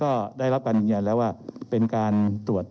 เรามีการปิดบันทึกจับกลุ่มเขาหรือหลังเกิดเหตุแล้วเนี่ย